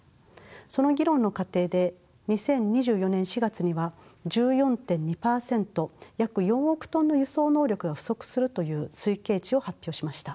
その議論の過程で２０２４年４月には１４．２％約４億トンの輸送能力が不足するという推計値を発表しました。